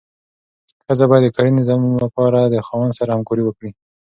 ښځه باید د کورني نظم لپاره د خاوند سره همکاري وکړي.